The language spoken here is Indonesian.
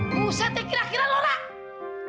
buset ya kira kira lorak